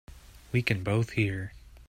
We can both hear.